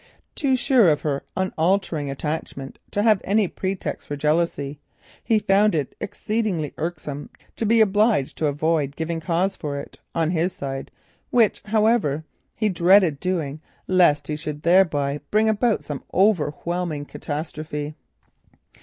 Too sure of her unaltering attachment to have any pretext for jealousy, he found it exceedingly irksome to be obliged to avoid giving cause for it on his side, which, however, he dreaded doing lest he should thereby bring about some overwhelming catastrophe.